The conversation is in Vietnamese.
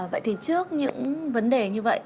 vậy thì trước những vấn đề như vậy